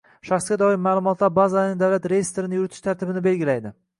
Shaxsga doir ma’lumotlar bazalarining davlat reyestrini yuritish tartibini belgilaydi;